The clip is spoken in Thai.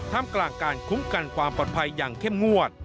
มกลางการคุ้มกันความปลอดภัยอย่างเข้มงวด